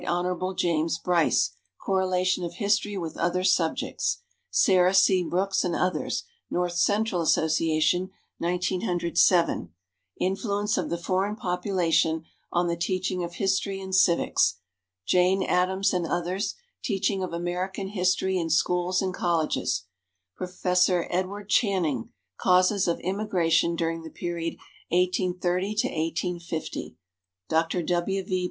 Hon. James Bryce; "Correlation of History with Other Subjects," Sarah C. Brooks and others; North Central Association, 1907, "Influence of the Foreign Population on the Teaching of History and Civics," Jane Addams and others; "Teaching of American History in Schools and Colleges," Prof. Edward Channing; "Causes of Immigration During the Period 1830 1850," Dr. W. V.